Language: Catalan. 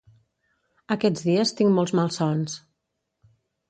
Aquests dies tinc molts malsons.